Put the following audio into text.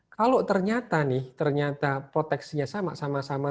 kalau ternyata proteksinya sama sama